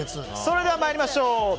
それでは参りましょう。